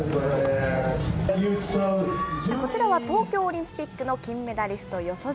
こちらは東京オリンピックの金メダリスト、四十住。